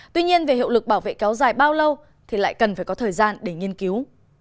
tuy nhiên về hiệu lực bảo vệ kéo dài bao lâu thì lại cần phải có thời gian để nghiên cứu